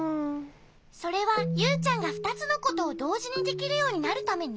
それはユウちゃんがふたつのことをどうじにできるようになるために？